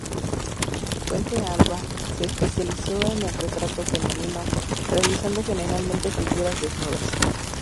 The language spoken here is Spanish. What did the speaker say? Fuentealba se especializó en el retrato femenino, realizando generalmente figuras desnudas.